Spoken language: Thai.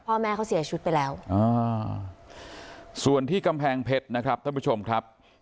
พ่อแม่เขาเสียชีวิตไปแล้วอ่าส่วนที่กำแพงเพชรนะครับท่านผู้ชมครับ